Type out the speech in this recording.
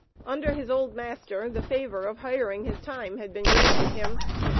Under his old master, the favor of hiring his time had been granted him.